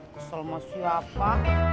kesel sama siapa